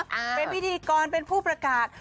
เป็นพิธีกรเป็นผู้ประกาศ